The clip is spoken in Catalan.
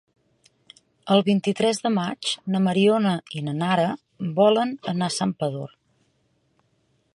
El vint-i-tres de maig na Mariona i na Nara volen anar a Santpedor.